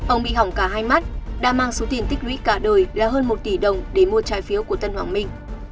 ông bị hỏng cả hai mắt đã mang số tiền tích lũy cả đời là hơn một tỷ đồng để mua trái phiếu của tân hoàng minh